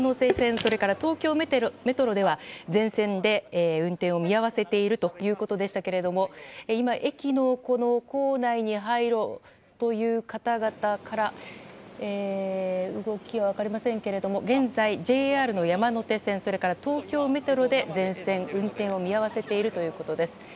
それから東京メトロでは全線で運転を見合わせているということでしたけれども今、駅の構内に入ろうという方々から動きは分かりませんけれども現在、ＪＲの山手線それから東京メトロで全線で運転を見合わせているということです。